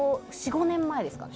４５年前ですかね。